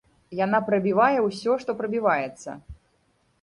Яна прабівае ўсё, што прабіваецца.